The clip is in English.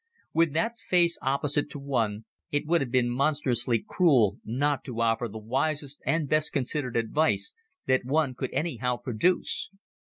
With that face opposite to one, it would have been monstrously cruel not to offer the wisest and best considered advice that one could anyhow produce.